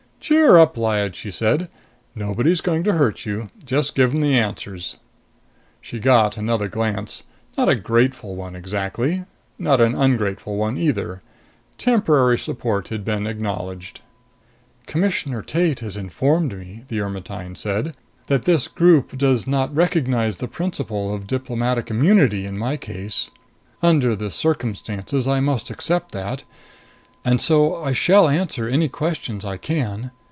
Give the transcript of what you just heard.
"Cheer up, Lyad!" she said. "Nobody's going to hurt you. Just give 'em the answers!" She got another glance. Not a grateful one, exactly. Not an ungrateful one either. Temporary support had been acknowledged. "Commissioner Tate has informed me," the Ermetyne said, "that this group does not recognize the principle of diplomatic immunity in my case. Under the circumstances I must accept that. And so I shall answer any questions I can."